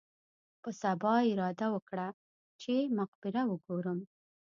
په سبا مې اراده وکړه چې مقبره وګورم.